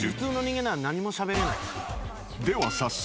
［では早速］